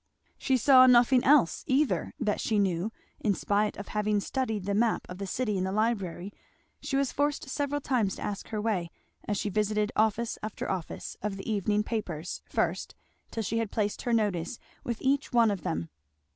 She saw nothing else either that she knew; in spite of having studied the map of the city in the library she was forced several times to ask her way, as she visited office after office, of the evening papers first, till she had placed her notice with each one of them.